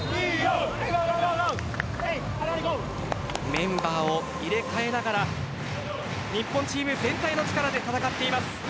メンバーを入れ替えながら日本チーム全体の力で戦っています。